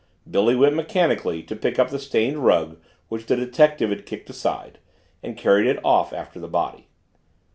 Billy went mechanically to pick up the stained rug which the detective had kicked aside and carried it off after the body.